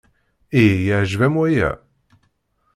Ihi yeɛjeb-am waya?